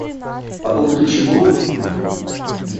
По поводу чего?